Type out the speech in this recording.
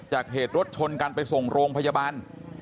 เหตุรถชนกันไปส่งโรงพยาบาล